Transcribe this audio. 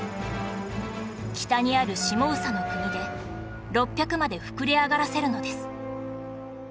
北にある下総国で６００まで膨れ上がらせるのです